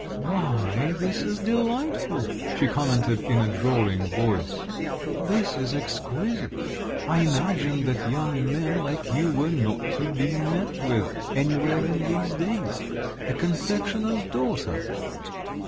"Why, this is delightful," she commented in a drawling voice; "this is exquisite! I imagined that young men like you were not to be met with anywhere in these days. A confectioner's daughter!"